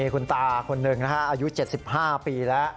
คุณตาคนหนึ่งนะฮะอายุ๗๕ปีแล้ว